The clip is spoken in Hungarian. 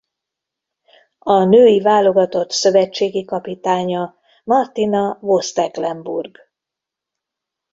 A női válogatott szövetségi kapitánya Martina Voss-Tecklenburg.